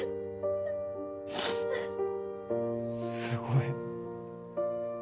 すごい。